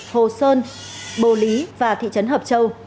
hồ sơn bồ lý và thị trấn hợp châu